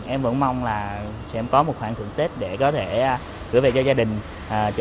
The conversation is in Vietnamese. em vẫn mong là sẽ có một khoảng thưởng tết để có thể gửi về cho gia đình